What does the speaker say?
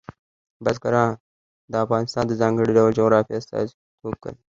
بزګان د افغانستان د ځانګړي ډول جغرافیه استازیتوب کوي.